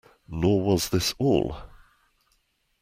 Nor was this all.